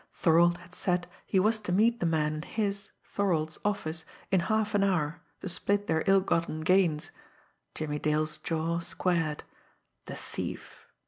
Thorold had said he was to meet the man in his, Thorold's, office in half an hour to split their ill gotten gains. Jimmie Dale's jaw squared. The thief!